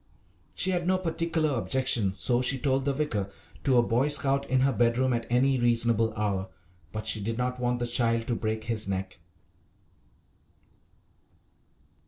She had no particular objection, so she told the vicar, to a Boy Scout in her bedroom at any reasonable hour, but she did not want the child to break his neck.